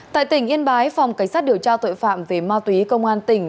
tại tỉnh yên bái phòng cảnh sát điều tra tội phạm về ma túy công an tỉnh